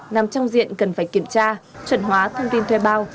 nằm trong diện cần phải kiểm tra chuẩn hóa thông tin thuê bao